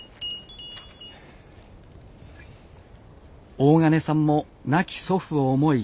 大鐘さんも亡き祖父を思い